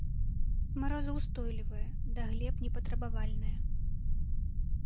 Марозаўстойлівая, да глеб не патрабавальная.